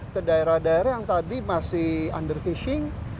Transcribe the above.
ke daerah daerah yang tadi masih under fishing